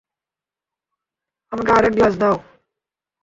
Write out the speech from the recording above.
আমাকে আর এক গ্লাস দাও।